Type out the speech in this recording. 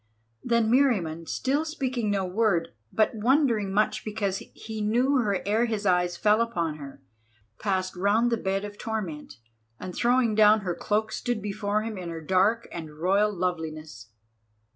Then Meriamun, still speaking no word, but wondering much because he knew her ere his eyes fell upon her, passed round the bed of torment, and throwing down her cloak stood before him in her dark and royal loveliness.